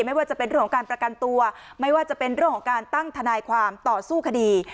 ไม่ว่าจะเป็นเรื่องของการประกันตัวไม่ว่าจะเป็นเรื่องของการตั้งทนายความต่อสู้คดี